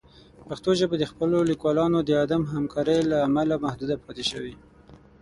پښتو ژبه د خپلو لیکوالانو د عدم همکارۍ له امله محدود پاتې شوې.